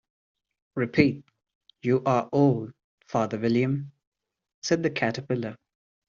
‘Repeat, “You are old, Father William,”’ said the Caterpillar.